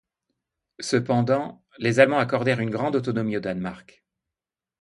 Cependant, les Allemands accordèrent une grande autonomie au Danemark.